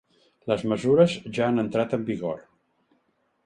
Les mesures ja han entrat en vigor.